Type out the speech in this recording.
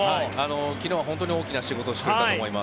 昨日は本当に大きな仕事をしたと思います。